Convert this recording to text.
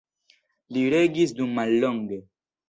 Li regis dum mallonge.